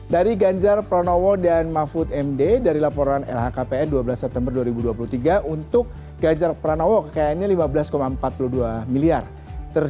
dari ganjar pronowo dan mahfud md dari laporan lhkpn dua belas september dua ribu dua puluh